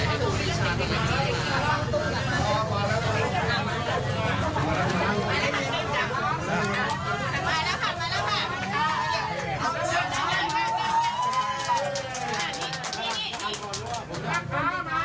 อันนี้แล้วจากเขานะครับแล้วจากเขาได้คุณเก็บไหมครับ